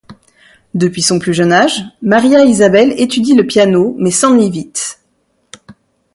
Depuis son plus jeune âge, María Isabel étudie le piano mais s'ennuie vite.